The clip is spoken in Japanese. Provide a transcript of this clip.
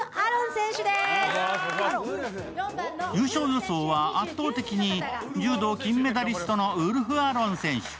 優勝予想は圧倒的に柔道金メダリストのウルフ・アロン選手。